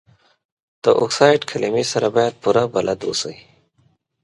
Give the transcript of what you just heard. د اکسایډ کلمې سره باید پوره بلد اوسئ.